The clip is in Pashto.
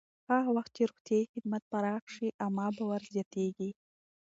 هغه وخت چې روغتیایي خدمات پراخ شي، عامه باور زیاتېږي.